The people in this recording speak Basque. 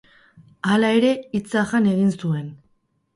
Hala ere, hitza jan egin zuen.